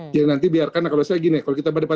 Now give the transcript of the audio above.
jadi nanti biarkan kalau saya gini kalau kita berdepan